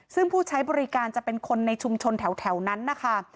ซึ่งผู้ใช้บริการจะเป็นคนในชุมชนแถวนั้นนะคะ